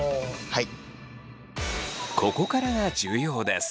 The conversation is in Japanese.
はい。